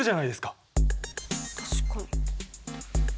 確かに。